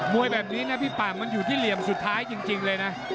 วยแบบนี้นะพี่ป่ามันอยู่ที่เหลี่ยมสุดท้ายจริงเลยนะ